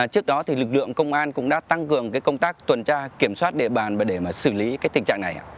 trước đó lực lượng công an cũng đã tăng cường công tác tuần tra kiểm soát địa bàn để xử lý tình trạng này